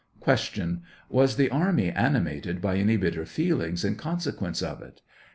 y. Was the army animated by any bitter feelings ia consequence of it? A.